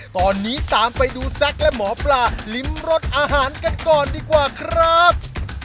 ตอนนี้ตามไปดูแซ็กและหมอปลาลิ้มรสอาหารกันก่อนดีกว่าครับ